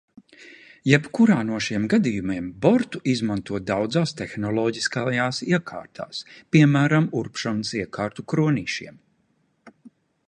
Jebkurā no šiem gadījumiem bortu izmanto daudzās tehnoloģiskajās iekārtās, piemēram urbšanas iekārtu kronīšiem.